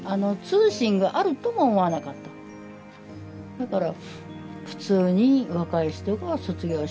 だから。